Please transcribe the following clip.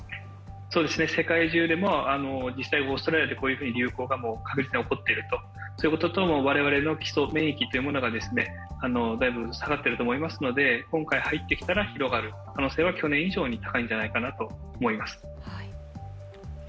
世界中で、実際にオーストラリアで流行が確実に起こっているということと我々の基礎免疫というものがだいぶ下がっていると思いますので今回、入ってきたら広がる可能性は去年以上に高いんじゃないかなと思います。